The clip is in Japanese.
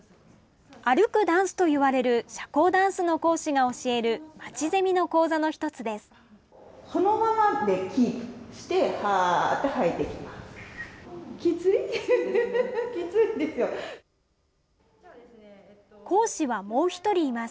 歩くダンスといわれる社交ダンスの講師が教えるまちゼミの講座の１つです。